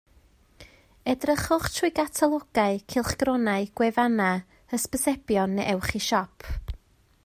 Edrychwch trwy gatalogau, cylchgronau, gwefannau, hysbysebion neu ewch i siop